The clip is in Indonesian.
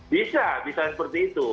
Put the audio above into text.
bisa bisa seperti itu